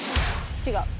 違う。